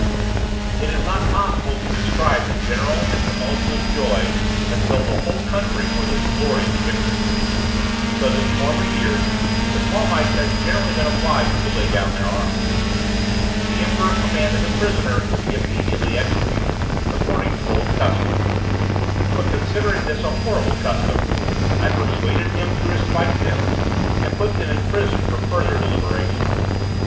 It is not possible to describe the general and tumultuous joy that filled the whole country for this glorious victory; because in former wars the Quamites had generally been obliged to lay down their arms. The emperor commanded the prisoners to be immediately executed, according to old custom; but considering this a horrible custom, I persuaded him to respite them, and put them in prison for further deliberation.